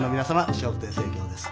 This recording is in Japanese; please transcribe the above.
笑福亭生喬です。